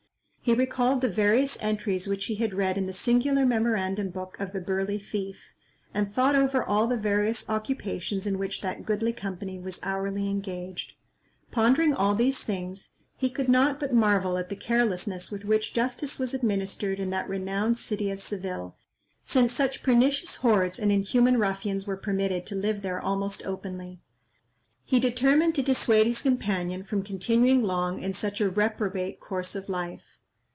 He recalled the various entries which he had read in the singular memorandum book of the burly thief, and thought over all the various occupations in which that goodly company was hourly engaged. Pondering all these things, he could not but marvel at the carelessness with which justice was administered in that renowned city of Seville, since such pernicious hordes and inhuman ruffians were permitted to live there almost openly. He determined to dissuade his companion from continuing long in such a reprobate course of life.